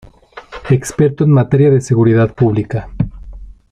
Experto en Materia de Seguridad Pública.